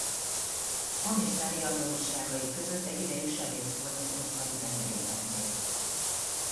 Hamis személyazonosságai között egy ideig sebész volt az orosz haditengerészetnél.